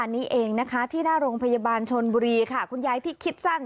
อันนี้เองนะคะที่หน้าโรงพยาบาลชนบุรีค่ะคุณยายที่คิดสั้น